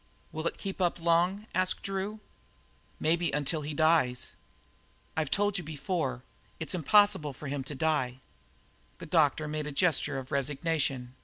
"Will it keep up long?" asked Drew. "Maybe until he dies." "I've told you before; it's impossible for him to die." The doctor made a gesture of resignation.